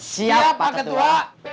siap pak ketua